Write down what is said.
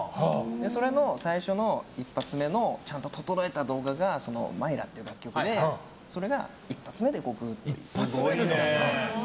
それの最初の一発目のちゃんと整えた楽曲が「Ｍｙｒａ」っていう楽曲がそれが１発目でグーッといって。